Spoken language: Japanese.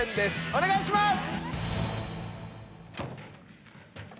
お願いします！